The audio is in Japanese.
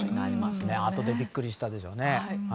あとでビックリしたでしょうね。